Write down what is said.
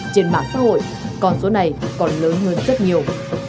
trên mạng xã hội con số này còn lớn hơn rất nhiều